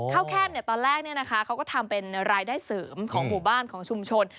แคบตอนแรกเขาก็ทำเป็นรายได้เสริมของหมู่บ้านของชุมชน